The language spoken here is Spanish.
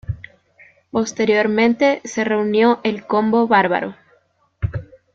Posteriormente se reunió el "Combo Barbaro".